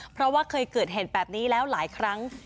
เพราะว่าเคยเกิดเหตุแบบนี้แล้วหลายครั้ง